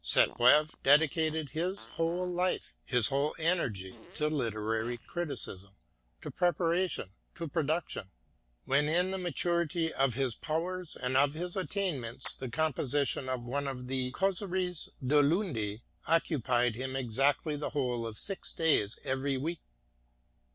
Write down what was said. Sainte Beuve dedicated his whole life, his whole energy, to literary criticism, to preparation, to production : when in the maturity of his powers and of his attainments the composition of one of the Causeries du Lundi occupied him exactly the whole of six days every week.